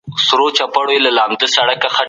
پانګوال د تولید د ښه والي لپاره هڅه کوي.